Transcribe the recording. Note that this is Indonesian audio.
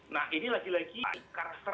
nah ini lagi lagi karakter